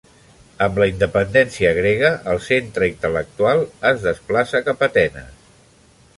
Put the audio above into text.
Amb la independència grega, el centre intel·lectual es desplaça cap a Atenes.